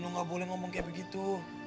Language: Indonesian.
kamu tidak boleh berbicara seperti itu